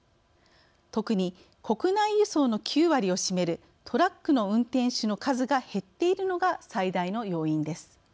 特に国内輸送の９割を占めるトラックの運転手の数が減っているのが最大の要因です。